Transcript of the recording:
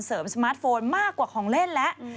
สมาร์ทโฟนมากกว่าของเล่นแล้ว